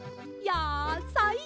やさい！